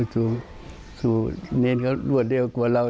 ถูกเนรเขารวดเร็วกว่าเรา